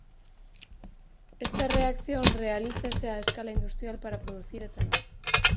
Esta reacción realízase a escala industrial para producir etanol.